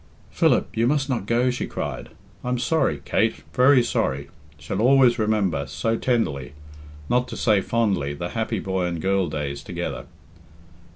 "Philip, you must not go!" she cried. "I'm sorry, Kate, very sorry. Shall always remember so tenderly not to say fondly the happy boy and girl days together."